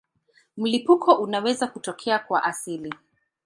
Mlipuko unaweza kutokea kwa asili.